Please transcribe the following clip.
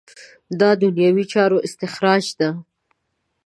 دا دنیوي چارو استخراج ده.